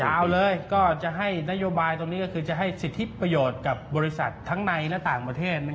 เอาเลยก็จะให้นโยบายตรงนี้ก็คือจะให้สิทธิประโยชน์กับบริษัททั้งในและต่างประเทศ